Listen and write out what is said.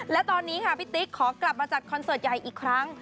และตอนนี้ค่ะพี่ติ๊กขอกลับมาจัดคอนเสิร์ตใหญ่อีกครั้ง